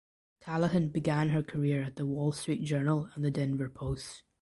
Callahan began her career at the Wall Street Journal and the Denver Post.